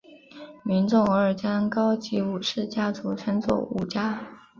民众偶尔将高级武士家族称作武家。